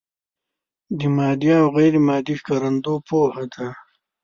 د مادي او غیر مادي ښکارندو پوهه ده.